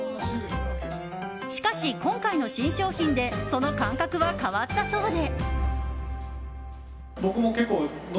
しかし、今回の新商品でその感覚は変わったそうで。